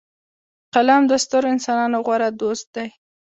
قلم د سترو انسانانو غوره دوست دی